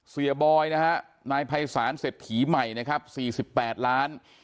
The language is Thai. เสียบอยนะครับนายภัยสารเสร็จถี่ใหม่นะครับ๔๘ล้าน